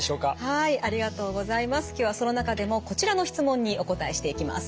今日はその中でもこちらの質問にお答えしていきます。